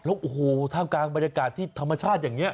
โอ้โฮถ้าการบรรยากาศที่ธรรมชาติอย่างนี้